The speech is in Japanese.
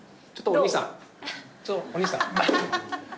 お兄さん。